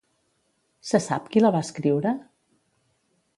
Se sap qui la va escriure?